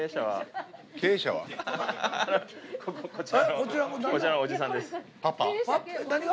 こちらのおじさんです。